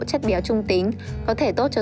chất béo trung tính có thể tốt cho